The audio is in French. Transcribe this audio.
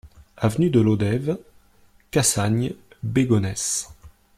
Avenue de Lodève, Cassagnes-Bégonhès